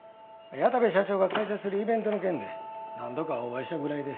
矢田部社長が開催するイベントの件で何度かお会いしたぐらいで。